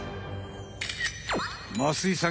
増井さん